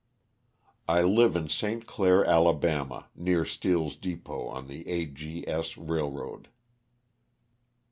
I live in St. Clair, Ala., near Steel's depot on the A. G. S. railroad.